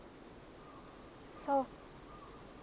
そう。